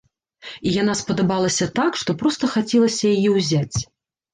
І яна спадабалася так, што проста хацелася яе ўзяць!